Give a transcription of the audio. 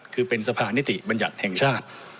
คือเป็นสภานิติบัญญัติแห่งชาติ